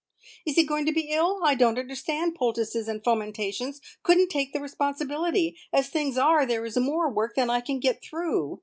"Is he going to be ill? I don't understand poultices and fomentations; couldn't take the responsibility! As things are, there is more work than I can get through.